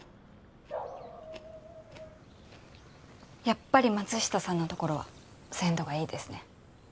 やっぱり松下さんのところは鮮度がいいですね。